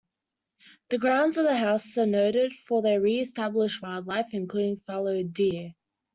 The grounds of the house are noted for their re-established wildlife, including fallow deer.